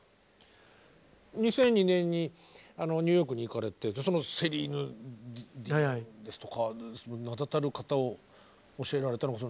２００２年にあのニューヨークに行かれてそのセリーヌ・ディオンですとか名だたる方を教えられたのが。